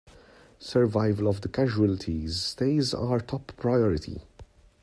Survival of the casualties stays our top priority!